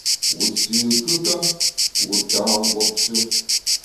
Wu sü kùka, wu ta nguopshe.